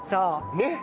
ねっ！